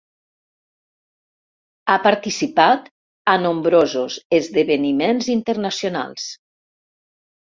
Ha participat a nombrosos esdeveniments internacionals.